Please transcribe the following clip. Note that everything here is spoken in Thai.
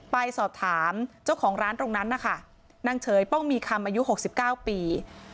ไปสอบถามเจ้าของร้านตรงนั้นนะคะนางเฉยป้องมีคำอายุ๖๙ปี